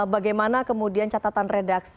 bagaimana kemudian catatan redaksi